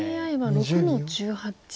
ＡＩは６の十八。